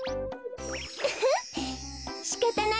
ウフッしかたないわ。